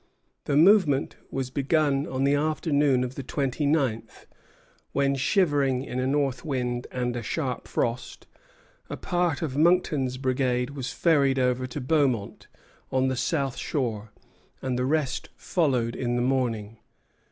The movement was begun on the afternoon of the twenty ninth, when, shivering in a north wind and a sharp frost, a part of Monckton's brigade was ferried over to Beaumont, on the south shore, and the rest followed in the morning.